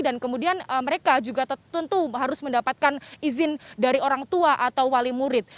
dan kemudian mereka juga tentu harus mendapatkan izin dari orang tua atau wali murid